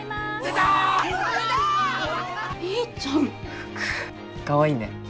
かわいいね。